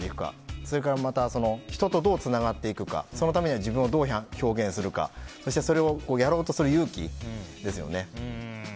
それから人とどうつながっていくかそのためには自分をどう表現するかそして、それをやろうとする勇気ですよね。